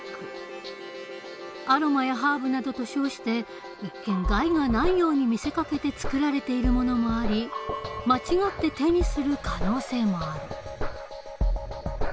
アロマやハーブなどと称して一見害がないように見せかけて作られているものもあり間違って手にする可能性もある。